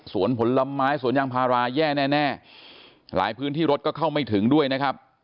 ผลไม้สวนยางพาราแย่แน่หลายพื้นที่รถก็เข้าไม่ถึงด้วยนะครับ